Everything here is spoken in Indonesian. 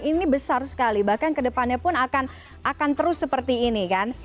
ini besar sekali bahkan kedepannya pun akan terus seperti ini kan